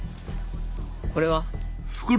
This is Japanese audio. これは？